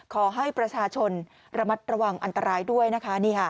ขอให้ประชาชนระมัดระวังอันตรายด้วยนะคะ